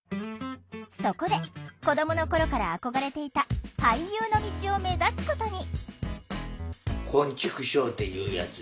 そこで子どもの頃から憧れていた俳優の道を目指すことに！